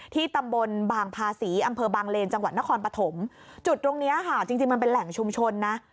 ตำบลบางภาษีอำเภอบางเลนจังหวัดนครปฐมจุดตรงเนี้ยค่ะจริงจริงมันเป็นแหล่งชุมชนนะ